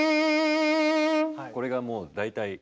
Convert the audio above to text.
これがもう大体。